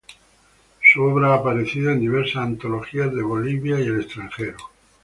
Su obra ha aparecido en diversas antologías de Bolivia y el extranjero.